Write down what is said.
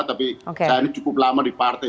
tapi saya ini cukup lama di partai